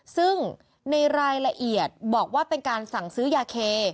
ซึ่งในรายละเอียดบอกว่าเป็นการสั่งซื้อยาเค